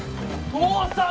父さん！